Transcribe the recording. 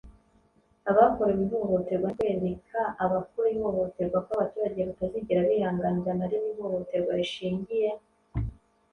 abakorewe ihohoterwa no kwereka abakora ihohoterwa ko abaturage batazigera bihanganira na rimwe ihohoterwa rishingiye